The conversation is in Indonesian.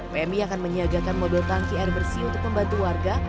pmi akan menyiagakan mobil tangki air bersih untuk membantu warga